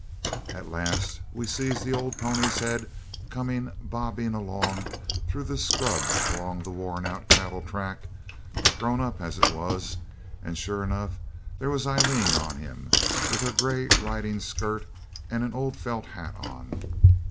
At last we sees the old pony's head coming bobbing along through the scrub along the worn out cattle track, grown up as it was, and sure enough there was Aileen on him, with her gray riding skirt and an old felt hat on.